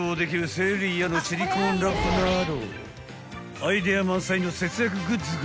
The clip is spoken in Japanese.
［アイデア満載の節約グッズが］